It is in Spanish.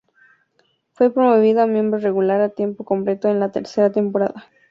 Fue promovida a miembro regular a tiempo completo en la tercera temporada.